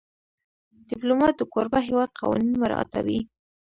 ډيپلومات د کوربه هېواد قوانین مراعاتوي.